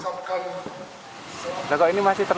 terus saya kan punya anak anak masih tiga tahun